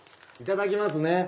いただきますね。